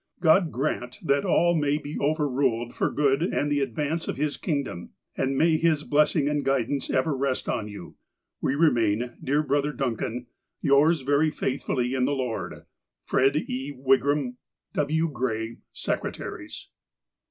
God grant that all may be over ruled for good and the advance of His kingdom, and may His blessing and guidance ever rest on you. We remain, dear Brother Duncan, Yours very faithfully in the Lord, "Fred. E. Wigram, "W. Gray, "Secretaries."